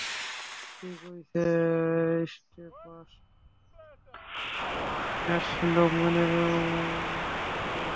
ঠিক ওই Stay Puft Marshmallow ম্যানের মতো।